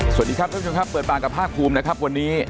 สวัสดีครับท่านผู้ชมครับเปิดปากกับภาคภูมินะครับวันนี้